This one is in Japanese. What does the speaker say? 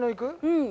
うん。